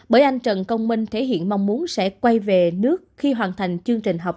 bởi anh trần công minh thể hiện mong muốn sẽ quay về nước khi hoàn thành chương trình học